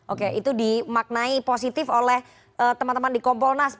oke itu dimaknai positif oleh teman teman di kompolnas